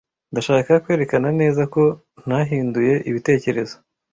Ndashaka kwerekana neza ko ntahinduye ibitekerezo.